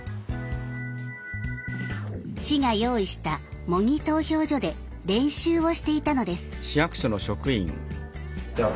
市が用意した模擬投票所で練習をしていたのです。